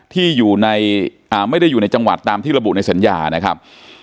ที่อยู่ในไม่ได้อยู่ในจังหวัดตามที่ระบุในสัญญานะครับ